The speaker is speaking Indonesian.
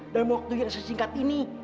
dalam waktu yang sesingkat ini